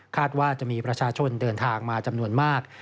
ว่าจะมีประชาชนเดินทางมาจำนวนมาก